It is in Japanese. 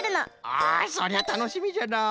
あそりゃたのしみじゃのう。